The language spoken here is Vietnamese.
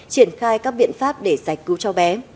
triển khai các biện pháp để giải cứu cháu bé